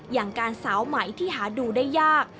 อย่างการสาวใหม่ที่หาดูได้ยาก